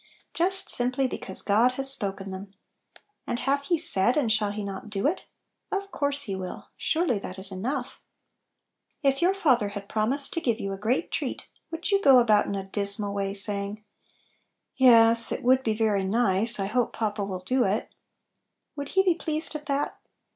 Just simply because God has spoken them! and "hath He said, and shall He not do it?" Of course he will! Surely that is enough ! If your father had promised to give you a great treat, would you go about in a dismal way, saying, " Yes, it would Little Pillows. 93 be very nice ? I hope papa will do it 1 " Would he be pleased at that